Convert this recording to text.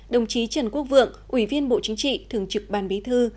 đồng chí trần quốc vượng ủy viên bộ chính trị thường trực ban bí thư